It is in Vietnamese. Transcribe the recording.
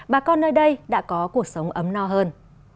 bà con nơi đây đã có cuộc sống ấm no hơn